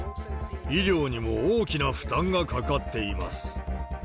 医療にも大きな負担がかかっています。